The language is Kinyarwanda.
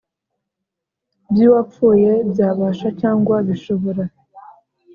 By uwapfuye byafasha cyangwa bishobora